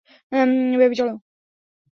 Baby, চলো!